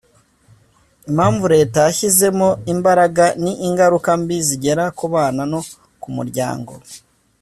Impamvu leta yashyizemo imbaraga ni ingaruka mbi zigera ku bana no ku muryango